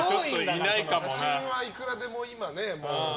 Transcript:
写真はいくらでもね。